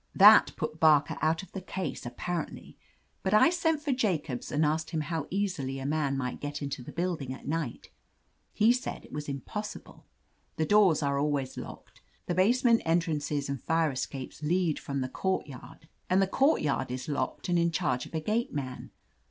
That put Barker out of the case, apparently, but I sent for Jacobs and asked him how easily a man could get into the building at night. He said it was impossible. The doors are always locked, the basement entrances and fire escapes lead from the courtyard, and the courtyard is 187 THE AMAZING ADVENTURES locked and in charge of a gate man.